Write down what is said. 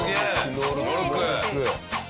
ノールック。